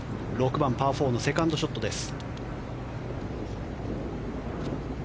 ６番、パー４のセカンドショットです。